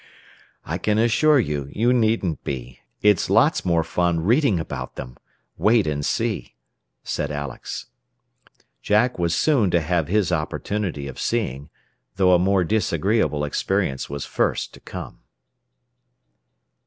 "I can assure you you needn't be. It's lots more fun reading about them. Wait and see," said Alex. Jack was soon to have his opportunity of "seeing," though a more disagreeable experience was first to come.